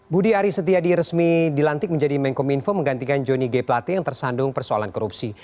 budi ari setiadi resmi dilantik menjadi menkom info menggantikan joni g platy yang tersandung persoalan korupsi